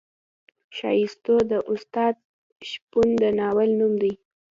ښایستو د استاد شپون د ناول نوم دی.